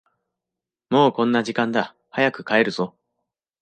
もうこんな時間だ、早く帰るぞ。